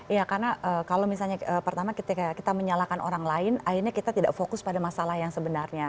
iya karena kalau misalnya pertama kita menyalahkan orang lain akhirnya kita tidak fokus pada masalah yang sebenarnya